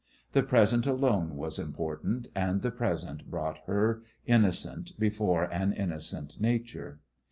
The present alone was important, and the present brought her, innocent, before an innocent nature.